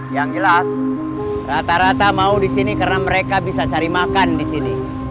yang jelas rata rata mau disini karena mereka bisa cari makan disini